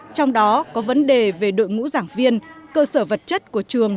trong đó có vấn đề về đội ngũ giảng viên cơ sở vật chất của trường